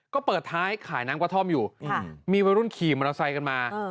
ก็เปิดท้ายขายน้ำกระท่อมอยู่มีวัยรุ่นขี่มอเตอร์ไซค์กันมา